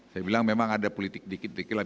saya bilang memang ada politik dikit dikit